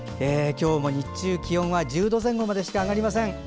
今日も日中、気温は１０度前後までしか上がりません。